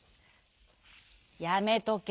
「やめとけ。